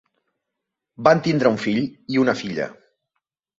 Van tindre un fill i una filla.